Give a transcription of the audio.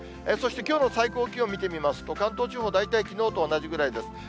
そしてきょうの最高気温を見てみますと、関東地方、大体きのうと同じぐらいです。